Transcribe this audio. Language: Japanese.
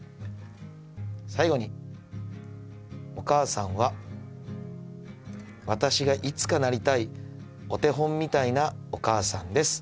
最後にお母さんは私がいつかなりたいお手本みたいなお母さんです！